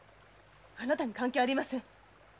あなたに関係ありません。